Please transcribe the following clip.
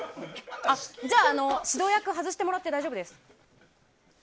じゃあ、指導役を外してもらって大丈夫です。